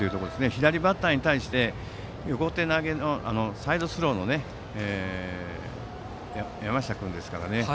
左バッターに対して横手投げのサイドスローの山下君ですからね。